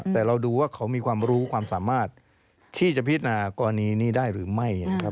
แต่เราดูว่าเขามีความรู้ความสามารถที่จะพิจารณากรณีนี้ได้หรือไม่นะครับ